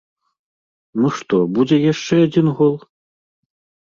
Ну што, будзе яшчэ адзін гол?